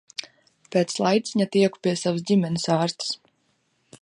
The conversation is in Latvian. Pēc laiciņa tieku pie savas ģimenes ārstes.